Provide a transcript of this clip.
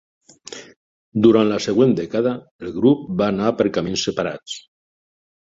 Durant la següent dècada, el grup va anar per camins separats.